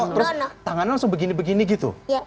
terus tangannya langsung begini begini gitu